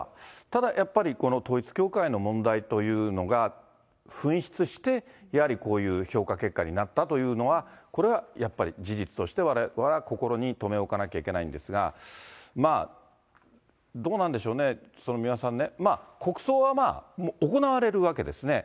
ただやっぱり、この統一教会の問題というのが噴出して、やはりこういう評価結果になったというのは、これはやっぱり事実として、われわれは心に留め置かなきゃいけないんですが、まあ、どうなんでしょうね、三輪さんね、国葬はまあもう行われるわけですね。